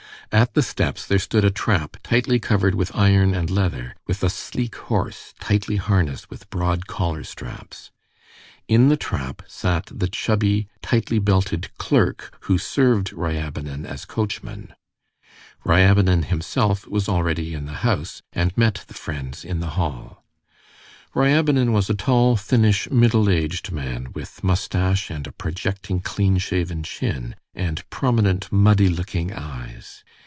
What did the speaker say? At the steps there stood a trap tightly covered with iron and leather, with a sleek horse tightly harnessed with broad collar straps. In the trap sat the chubby, tightly belted clerk who served Ryabinin as coachman. Ryabinin himself was already in the house, and met the friends in the hall. Ryabinin was a tall, thinnish, middle aged man, with mustache and a projecting clean shaven chin, and prominent muddy looking eyes.